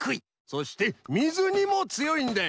そしてみずにもつよいんだ！